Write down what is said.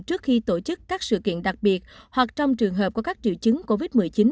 trước khi tổ chức các sự kiện đặc biệt hoặc trong trường hợp có các triệu chứng covid một mươi chín